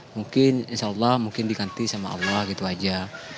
mungkin insya allah mungkin diganti sama allah gitu aja